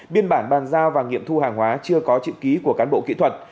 biên bản bàn giao và nghiệm thu hàng hóa chưa có chữ ký của cán bộ kỹ thuật